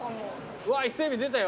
うわ伊勢エビ出たよ。